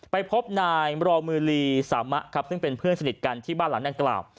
ไปพบนายมรอมือลีสามะครับซึ่งเป็นเพื่อนสนิทกันที่บ้านหลังดังกล่าว